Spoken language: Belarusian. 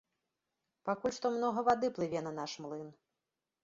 Пакуль што многа вады плыве на наш млын.